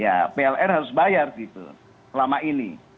ya plr harus bayar gitu selama ini